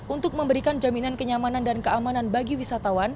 untuk memberikan jaminan kenyamanan dan keamanan